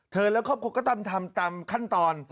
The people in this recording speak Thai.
เธอและครอบครัวก็ตามขั้นตอน